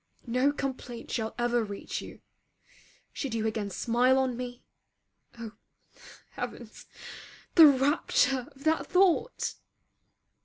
No complaint shall ever reach you. Should you again smile on me oh heavens! the rapture of that thought!